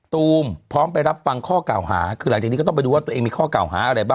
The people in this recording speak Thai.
ตูมพร้อมไปรับฟังข้อเก่าหา